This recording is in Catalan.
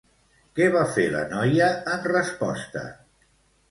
Què va fer la noia en resposta?